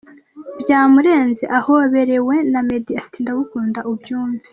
Byamurenze ahoberewe na Meddy, ati ’Ndagukunda ubyumve’.